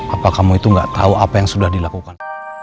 apa kamu itu gak tahu apa yang sudah dilakukan